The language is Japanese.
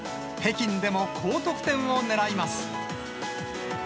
北京でも高得点を狙います。